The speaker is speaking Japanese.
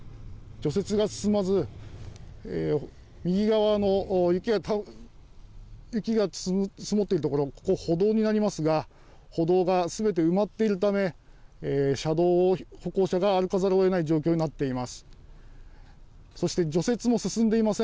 除雪が進まず、右側の雪が積もっている所、ここ、歩道になりますが、歩道がすべて埋まっているため、車道を歩行者が歩かざるをえない状況になっています。